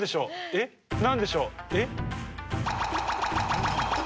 えっ何でしょう？